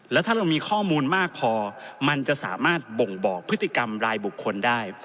แล้วถ้าเรามีข้อมูลมากพอมันจะสามารถบ่งบอกพฤติกรรมรายบุคคลได้